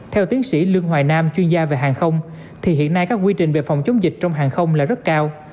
theo tiến sĩ lương hoài nam chuyên gia về hàng không thì hiện nay các quy trình về phòng chống dịch trong hàng không là rất cao